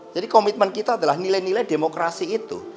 jadi komitmen kita adalah nilai nilai demokrasi itu